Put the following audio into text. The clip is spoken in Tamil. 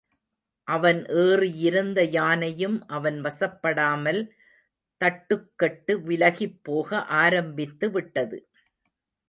அவன் ஏறியிருந்த யானையும் அவன் வசப்படாமல் தட்டுக்கெட்டு விலகிப் போக ஆரம்பித்துவிட்டது.